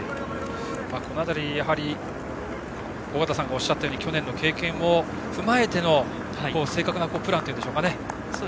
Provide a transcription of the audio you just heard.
この辺り、やはり尾方さんがおっしゃったように去年の経験を踏まえての正確なプランといいますかね。